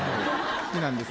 好きなんですよ。